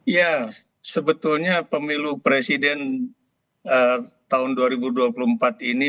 ya sebetulnya pemilu presiden tahun dua ribu dua puluh empat ini